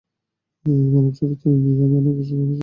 মানবচরিত্র নিয়ে আমি অনাবশ্যক আলোচনা করি নে।